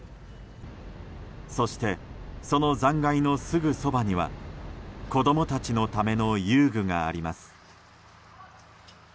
そして、その残骸のすぐそばには子供たちのための遊具があります。